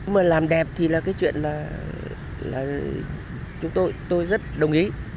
mà làm đẹp thì là cái chuyện là chúng tôi tôi rất đồng ý